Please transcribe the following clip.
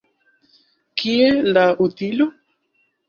Kie la utilo?